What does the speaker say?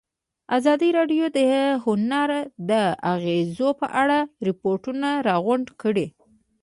ازادي راډیو د هنر د اغېزو په اړه ریپوټونه راغونډ کړي.